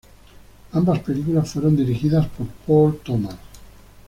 Ambas películas fueron dirigidas por Paul Thomas.